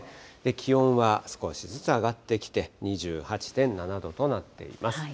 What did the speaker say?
気温は少しずつ上がってきて、２８．７度となっています。